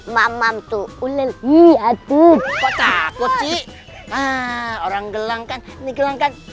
mamam tuh uleli atuh kok takut sih orang gelang kan ini gelang kan